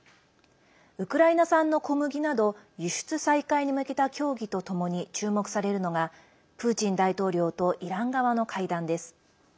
ウクライナ産の小麦など輸出再開に向けた協議とともに注目されるのがプーチン大統領とイラン側の会談です。